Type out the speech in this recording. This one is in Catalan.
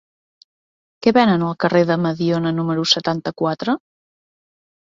Què venen al carrer de Mediona número setanta-quatre?